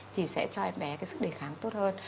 thì sẽ cho em bé cái sức đề kháng tốt hơn